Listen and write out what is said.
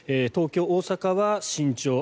東京、大阪は慎重